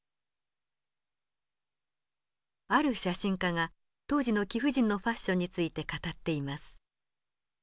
ある写真家が当時の貴婦人のファッションについて語っています。